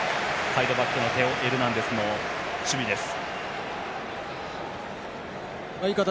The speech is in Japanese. サイドバックのテオ・エルナンデスの守備でした。